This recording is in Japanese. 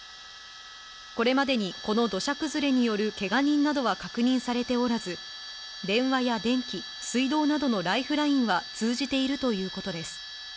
これまでにこの土砂崩れによるけが人などは確認されておらず、電話や電気、水道などのライフラインは通じているということです。